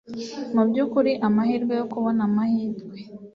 Mubyukuri, amahirwe yo kubona amahirwe! ”